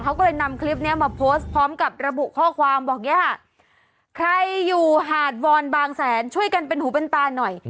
เขาก็เลยนำคลิปนี้มาโพสต์พร้อมกับระบุข้อความบอกเนี่ยค่ะใครอยู่หาดวอนบางแสนช่วยกันเป็นหูเป็นตาหน่อย